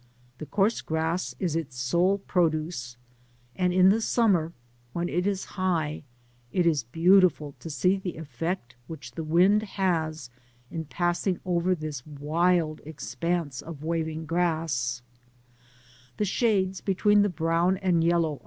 The coarse grass is its sole produce ; and in the summer, when it is high, it is beautiful to see the effect which the wind has in passing over this wild expanse of waving grass: the shades b^ween the brown and yellow Digitized byGoogk 248 THB PAMPAS.